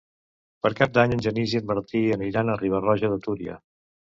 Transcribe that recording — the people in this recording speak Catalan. Per Cap d'Any en Genís i en Martí aniran a Riba-roja de Túria.